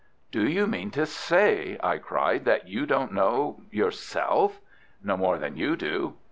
"Do you mean to say," I cried, "that you don't know yourself?" "No more than you do."